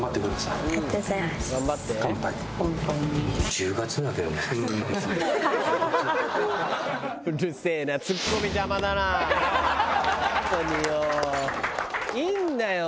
いいんだよ